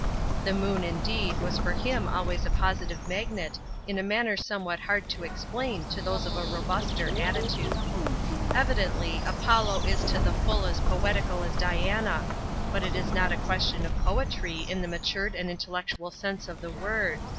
The moon, indeed, was for him always a positive magnet in a manner somewhat hard to explain to those of a robuster attitude. Evidently, Apollo is to the full as poetical as Diana; but it is not a question of poetry in the matured and intellectual sense of the word.